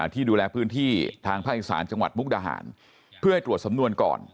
ที่ดูแลพื้นที่ทางภาคอีสานจังหวัดมุกดาหารเพื่อให้ตรวจสำนวนก่อน